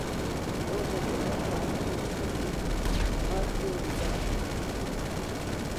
ڕۆژێک لە دەم کانی نوستبوو، مار پێوەی دابوو